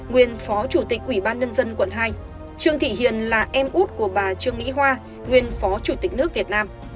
quỷ ban nhân dân quận hai trương thị hiền là em út của bà trương mỹ hoa nguyên phó chủ tịch nước việt nam